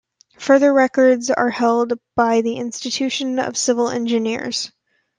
Further records are held by the Institution of Civil Engineers.